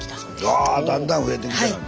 ああだんだん増えてきたやん。